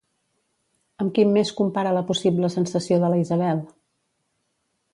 Amb quin mes compara la possible sensació de la Isabel?